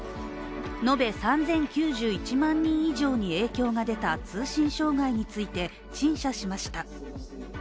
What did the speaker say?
述べ３０９１万人以上に影響が出た通信障害について、陳謝しました。